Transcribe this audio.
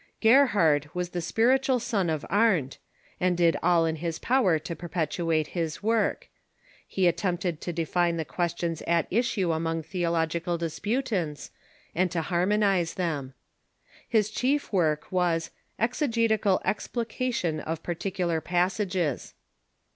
Gerhard was the spiritual son of Arndt, and did all in his power to perpetuate his work. He attempted to define the questions at issue among theological disputants, and to har monize them. His chief work was "Excgetical Explication of Particular Passages."